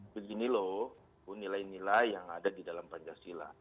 begini loh nilai nilai yang ada di dalam pancasila